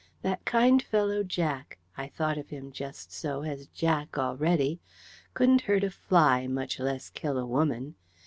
That kind fellow Jack I thought of him, just so, as Jack already couldn't hurt a fly, much less kill a woman.